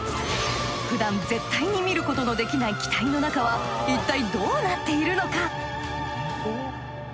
普段絶対に見ることのできない機体の中はいったいどうなっているのか？